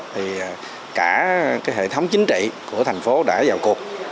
thì cả hệ thống chính trị của thành phố đã vào cuộc